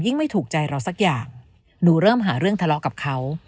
ไม่ถูกใจเราสักอย่างหนูเริ่มหาเรื่องทะเลาะกับเขา